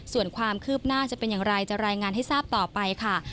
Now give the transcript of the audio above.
ส่วนความคืบหน้าจะเป็นอย่างไรจะรายงานให้ทราบต่อไปค่ะ